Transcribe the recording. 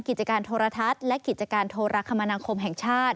กิจการโทรทัศน์และกิจการโทรคมนาคมแห่งชาติ